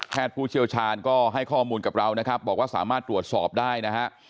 ผู้เชี่ยวชาญก็ให้ข้อมูลกับเรานะครับบอกว่าสามารถตรวจสอบได้นะฮะ